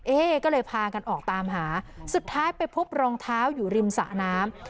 เอ๊ก็เลยพากันออกตามหาสุดท้ายไปพบรองเท้าอยู่ริมสระน้ำ